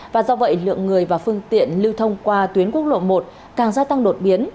và do vậy lượng người và phương tiện lưu thông qua tuyến quốc lộ một càng gia tăng đột biến